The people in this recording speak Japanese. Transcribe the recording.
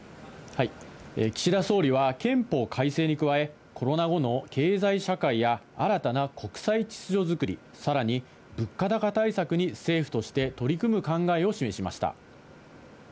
岸田総理は憲法改正に加え、コロナ後の経済社会や新たな国際秩序作り、さらに物価高対策に政府として取り組む考えを示しました。